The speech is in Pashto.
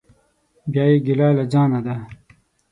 بیا یې ګیله له ځانه ده.